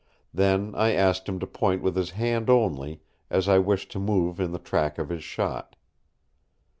Then I asked him to point with his hand only, as I wished to move in the track of his shot.